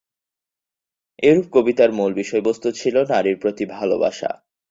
এরুপ কবিতার মূল বিষয়বস্তু ছিল নারীর প্রতি ভালবাসা।